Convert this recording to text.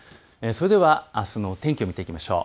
それではあすの天気を見ていきましょう。